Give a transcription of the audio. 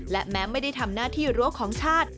และแม้ไม่ได้ทำหน้าที่รั้วของชาติ